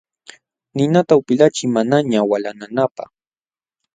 Ninata upilachiy manañaq walananapaq.